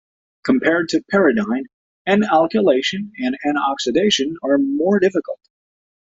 Compared to pyridine, "N"-alkylation and "N"-oxidation are more difficult.